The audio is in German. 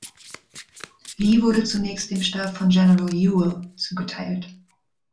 Lee wurde zunächst dem Stab von General Ewell zugeteilt.